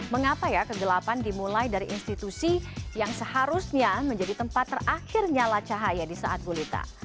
mengapa ya kegelapan dimulai dari institusi yang seharusnya menjadi tempat terakhir nyala cahaya di saat gulita